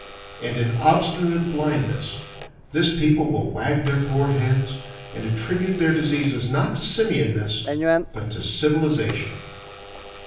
And, in obstinate blindness, this people will wag their poor heads, and attribute their diseases not to simian ness but to civilization.